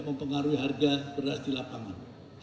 mempengaruhi harga beras di lapangan